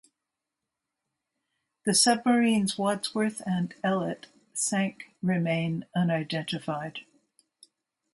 The submarines "Wadsworth" and "Ellet" sank remain unidentified.